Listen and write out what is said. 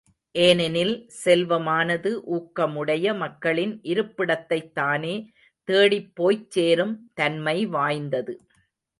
ஏனெனில், செல்வமானது ஊக்கமுடைய மக்களின் இருப்பிடத்தைத் தானே தேடிப் போய்ச் சேரும் தன்மை வாய்ந்தது.